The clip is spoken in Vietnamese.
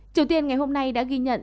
triều tiên ngày hôm nay đã ghi nhận